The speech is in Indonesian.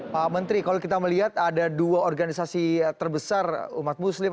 pak menteri kalau kita melihat ada dua organisasi terbesar umat muslim